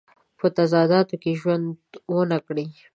په تضاداتو کې ژوند ونه کړي.